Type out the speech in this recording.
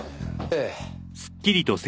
ええ。